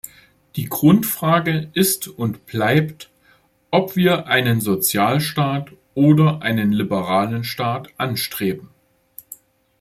Die Grundfrage ist und bleibt, ob wir einen Sozialstaat oder einen liberalen Staat anstreben.